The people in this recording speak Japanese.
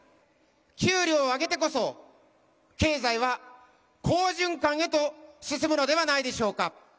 給料を上げてこそ経済は好循環へと進むのではないでしょうか。